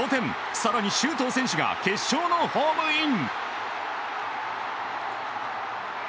更に周東選手が決勝のホームイン！